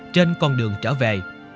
trên con đường trở về